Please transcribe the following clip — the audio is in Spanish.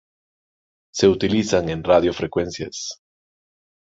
Se utilizan en radio frecuencias.